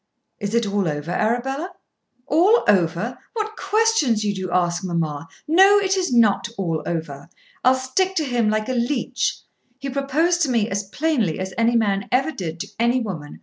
"Is it all over, Arabella?" "All over! What questions you do ask, mamma! No. It is not all over. I'll stick to him like a leech. He proposed to me as plainly as any man ever did to any woman.